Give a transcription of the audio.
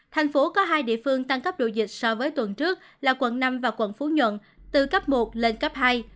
thành phố có hai địa phương tăng cấp độ dịch so với tuần trước là quận năm và quận phú nhuận từ cấp một lên cấp hai